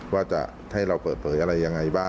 ว่าจะให้เราเปิดเผยอะไรยังไงบ้าง